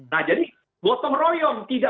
nah jadi gotong royong